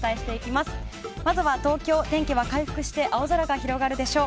まずは東京、天気は回復して青空が広がるでしょう。